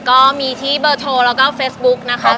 ก็มีที่เบอร์โทรแล้วก็เฟซบุ๊กนะคะ